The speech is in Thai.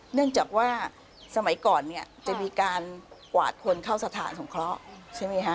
เนื่องจากว่าสมัยก่อนเนี่ยจะมีการกวาดคนเข้าสถานสงเคราะห์ใช่ไหมคะ